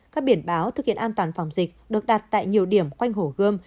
các biển báo thực hiện an toàn phòng dịch được đặt tại nhiều điểm quanh hồ gươm